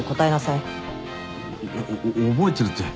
いや覚えてるって